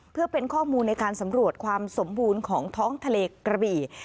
เพื่อเป็นข้อมูลในการสำรวจความสมบูรณ์ของท้องทะเลกระบี่